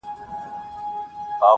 • د تقدیر لوبه روانه پر خپل پله وه -